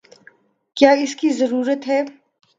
کیا اس کی ضرورت ہے؟